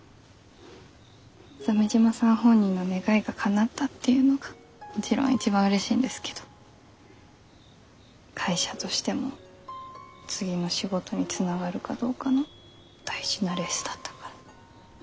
鮫島さん本人の願いがかなったっていうのがもちろん一番うれしいんですけど会社としても次の仕事につながるかどうかの大事なレースだったから。